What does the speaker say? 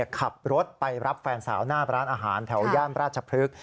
ขับรถไปรับแฟนสาวหน้าร้านอาหารแถวย่านราชพฤกษ